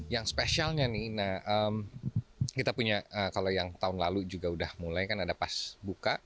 yang spesialnya nih kita punya kalau yang tahun lalu juga udah mulai kan ada pas buka